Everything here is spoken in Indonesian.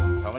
din jalan ya